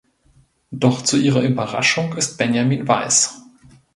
Doch zu ihrer Überraschung ist Benjamin weiß.